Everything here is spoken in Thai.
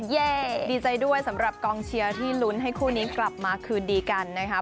ดีใจด้วยสำหรับกองเชียร์ที่ลุ้นให้คู่นี้กลับมาคืนดีกันนะคะ